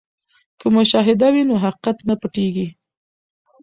که مشاهده وي نو حقیقت نه پټیږي.